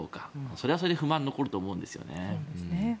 それはそれで不満が残ると思うんですよね。